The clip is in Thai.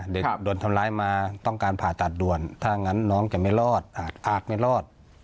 โดนทำร้ายมาต้องการผ่าตัดด่วนถ้างั้นน้องจะไม่รอดอากอาจไม่รอด